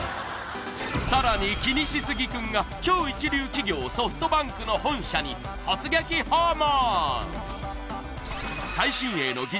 さらにキニシスギくんが超一流企業ソフトバンクの本社に突撃訪問